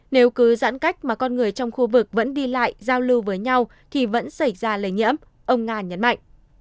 nếu cứ giãn cách mà con người trong khu vực vẫn đi lại giao lưu với nhau thì vẫn xảy ra lây nhiễm ông nga nhấn mạnh